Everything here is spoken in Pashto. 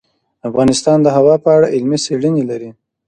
افغانستان د هوا په اړه علمي څېړنې لري.